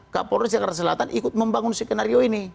kapolres jakarta selatan ikut membangun skenario ini